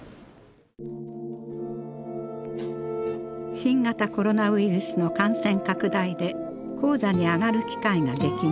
新型コロナウイルスの感染拡大で高座に上がる機会が激減。